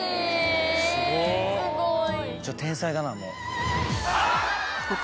えすごい。